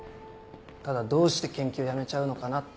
ただどうして研究やめちゃうのかなって。